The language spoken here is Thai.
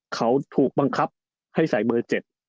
เขาถูกบังคับให้ใส่เบอร์๗